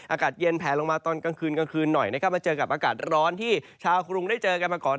อากาศเย็นแผลลงมาตอนกลางคืนกลางคืนหน่อยนะครับมาเจอกับอากาศร้อนที่ชาวกรุงได้เจอกันมาก่อน